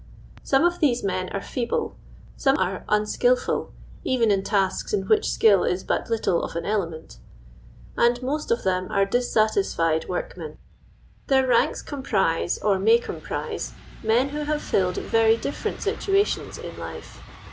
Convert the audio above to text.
^ome of theso men are feeble, some are un skilful (even in tasks in which skill is but little of an element), and most of them are dissatisfied workmen. Their ranks comprise, or may com prise, men who have filled very different situa tions in life.